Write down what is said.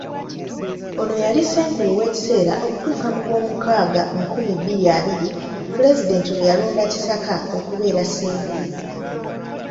Ono yali ssenkulu ow'ekiseera okutuuka mu gw'omukaga nkumi bbiri abiri, Pulezidenti lwe yalonda Kisaka okubeera ssenkulu.